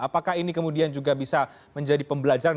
apakah ini kemudian juga bisa menjadi pembelajaran